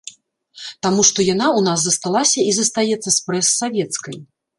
Таму што яна ў нас засталася і застаецца спрэс савецкай.